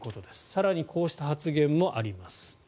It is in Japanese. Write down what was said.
更にこうした発言もあります。